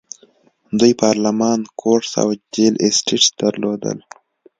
دوی پارلمان، کورټس او جل اسټټس درلودل.